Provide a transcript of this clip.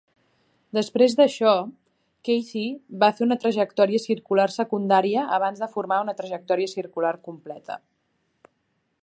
Després d'això, Kathy va fer una trajectòria circular secundària abans de formar una trajectòria circular completa.